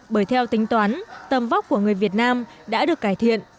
bởi theo tính toán tầm vóc của người việt nam đã được cải thiện